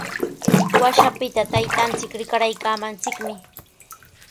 Washapita taytanchik rikaraaykaamanchikmi.